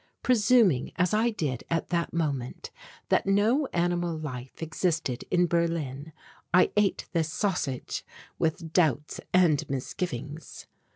Presuming, as I did at that moment, that no animal life existed in Berlin, I ate this sausage with doubts and misgivings.